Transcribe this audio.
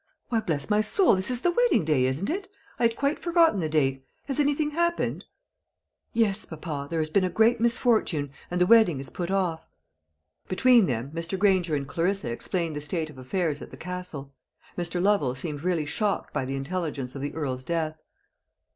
Why, bless my soul, this is the wedding day, isn't it? I had quite forgotten the date. Has anything happened?" "Yes, papa; there has been a great misfortune, and the wedding is put off." Between them, Mr. Granger and Clarissa explained the state of affairs at the Castle. Mr. Lovel seemed really shocked by the intelligence of the Earl's death.